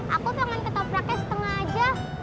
aku pengen ketabraknya setengah aja